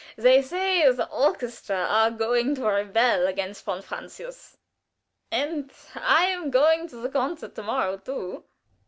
They say the orchestra are going to rebel against von Francius. And I am going to the concert to morrow, too.